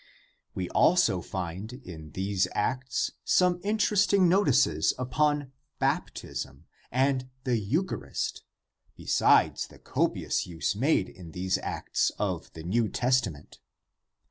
We also find in these Acts some interesting notices on " Baptism " and the " Eucharist," besides the copious use made in these Acts of the New Testament.